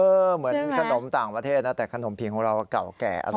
เหมือนขนมต่างประเทศนะแต่ขนมผิงของเราเก่าแก่อร่อย